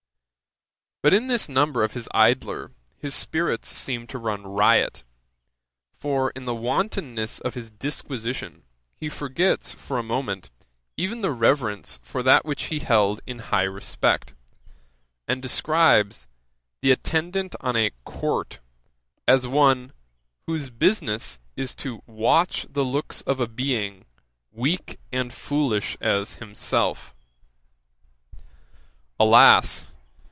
But in this number of his Idler his spirits seem to run riot; for in the wantonness of his disquisition he forgets, for a moment, even the reverence for that which he held in high respect; and describes 'the attendant on a Court,' as one 'whose business, is to watch the looks of a being, weak and foolish as himself.' [Page 334: Johnson not a plagiary. A.D. 1758.] Alas!